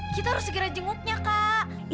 kita harus segera jenguknya kak